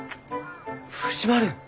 藤丸！